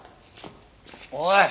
おい！